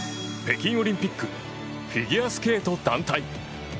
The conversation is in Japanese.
北京オリンピックフィギュアスケート団体。